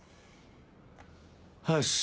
はい。